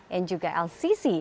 yang juga lcc